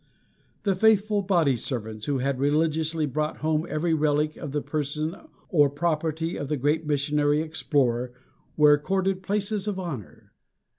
The faithful body servants who had religiously brought home every relic of the person or property of the great missionary explorer were accorded places of honor.